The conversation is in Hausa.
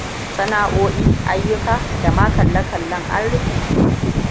sana'oi, ayuka, dama kalle-kallle an rufe.